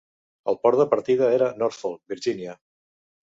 El port de partida era Norfolk, Virginia.